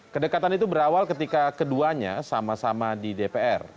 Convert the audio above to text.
kedekatan itu berawal ketika keduanya sama sama di dpr